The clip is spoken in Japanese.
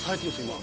今。